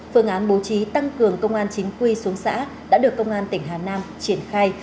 phương án bố trí tăng cường công an chính quy xuống xã đã được công an tỉnh hà nam triển khai